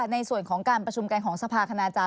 ในส่วนของการประชุมกันของสภาคณาจาร